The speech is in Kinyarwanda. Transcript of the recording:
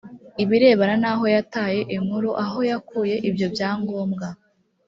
ibirebana n aho yataye inkuru aho yakuye ibyo byangombwa